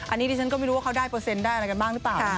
อันนี้ดิฉันก็ไม่รู้ว่าเขาได้เปอร์เซ็นต์ได้อะไรกันบ้างหรือเปล่า